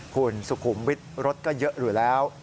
หุ่นสุขุมวิทรถก็เยอะหรือแล้ว